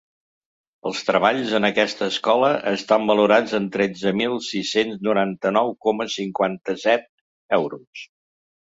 Els treballs en aquesta escola estan valorats en tretze mil sis-cents noranta-nou coma cinquanta-set euros.